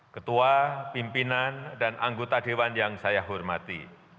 ketua pimpinan dan anggota dewan yang saya hormati